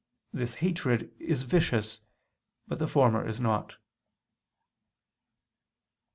This hatred is vicious, but the former is not.